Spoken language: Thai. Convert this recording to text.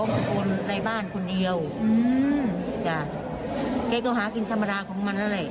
ทุกคนในบ้านคนเดียวอืมจ้ะแกก็หากินธรรมดาของมันแล้วแหละ